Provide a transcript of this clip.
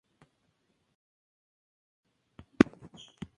La mayor parte de sus localidades presentan denominaciones de origen anglosajón.